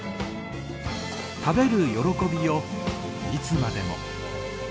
食べる喜びをいつまでも。